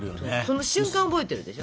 その瞬間覚えてるでしょ？